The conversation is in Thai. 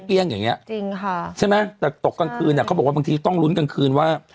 อย่างเงี้จริงค่ะใช่ไหมแต่ตกกลางคืนอ่ะเขาบอกว่าบางทีต้องลุ้นกลางคืนว่า